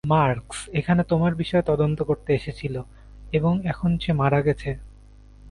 Marks এখানে তোমার বিষয়ে তদন্ত করতে এসেছিল, এবং এখন সে মারা গেছে।